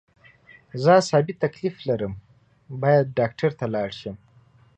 زه عصابي تکلیف لرم باید ډاکټر ته لاړ شم